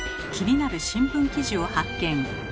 気になる新聞記事を発見。